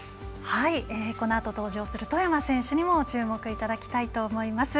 このあと登場する外山選手にも注目いただきたいと思います。